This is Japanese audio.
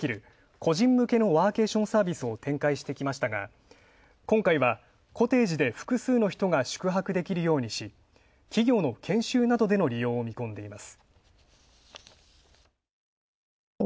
個人向けのワーケーションサービスを展開してきましたが、今回はコテージで複数の人が宿泊できるようにし企業の研修などでの利用を見込んでいます。